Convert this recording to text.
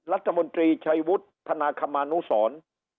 รัฐมนตรีชัยวุฒิธนาคมานุสร